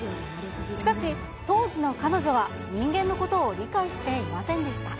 しかし当時の彼女は人間のことを理解していませんでした。